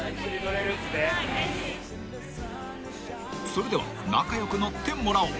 ［それでは仲良く乗ってもらおう］